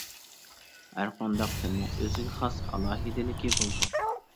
ھەرقانداق تىلنىڭ ئۆزىگە خاس ئالاھىدىلىكى بولىدۇ.